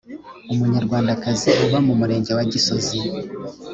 umunyarwandakazi uba mu murenge wa gisozi